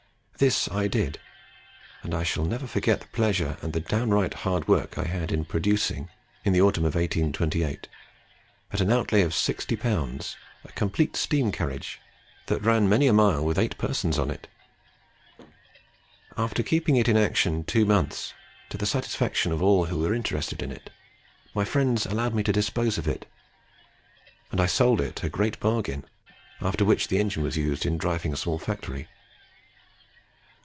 This I did; and I shall never forget the pleasure and the downright hard work I had in producing, in the autumn of 1828, at an outlay of 60L., a complete steam carriage, that ran many a mile with eight persons on it. After keeping it in action two months, to the satisfaction of all who were interested in it, my friends allowed me to dispose of it, and I sold it a great bargain, after which the engine was used in driving a small factory.